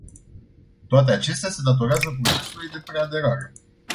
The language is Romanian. Toate acestea se datorează procesului de preaderare.